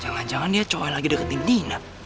jangan jangan dia cuek lagi deketin dina